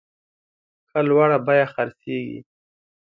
ښه لوړه بیه خرڅیږي.